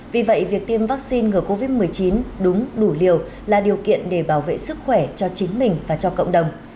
vì vậy việc tiêm vaccine ngừa covid một mươi chín đúng đủ liều là điều kiện để bảo vệ sức khỏe cho chính mình và cho cộng đồng